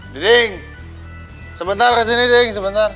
diding sebentar kesini diding sebentar